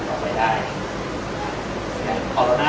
สวัสดีครับ